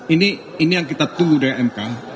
ini yang kita tunggu dari mk